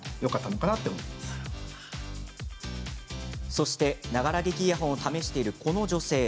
そして、ながら聴きイヤホンを試しているこの女性。